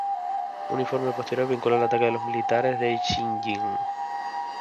Un informe posterior vinculó el ataque a los militantes de Xinjiang.